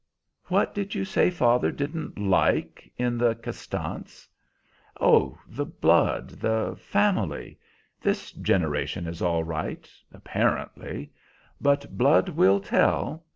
"What did you say father doesn't like in the Castants?" "Oh, the blood, the family. This generation is all right apparently. But blood will tell.